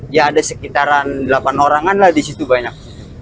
ya ada sekitaran delapan orang an lah disitu banyak